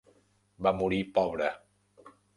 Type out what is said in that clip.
Va morir pobre.